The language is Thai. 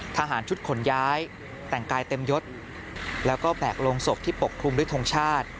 ทหารชุดขนย้ายแต่งกายเต็มยศแล้วก็แบกลงศพที่ปกคลุมด้วยทงชาติ